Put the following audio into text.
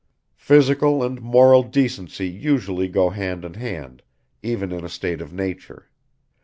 Physical and moral decency usually go hand in hand, even in a state of nature.